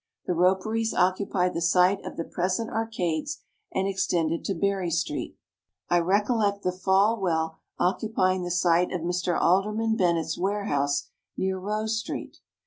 The roperies occupied the site of the present Arcades, and extended to Berry street. I recollect the Fall Well occupying the site of Mr. Alderman Bennet's warehouse near Rose street.